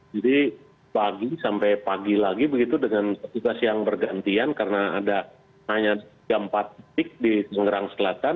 jadi pagi sampai pagi lagi begitu dengan situasi yang bergantian karena ada hanya jam empat di tenggerang selatan